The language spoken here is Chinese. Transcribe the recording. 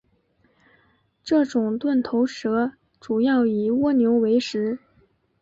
这种钝头蛇主要以蜗牛为食。